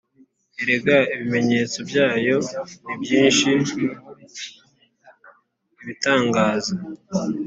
Erega ibimenyetso byayo ni byinshi ibitangaza